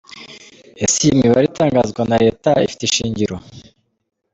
Ese iyi mibare itangazwa na Leta ifite ishingiro?